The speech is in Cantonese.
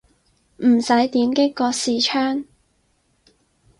唔使點擊個視窗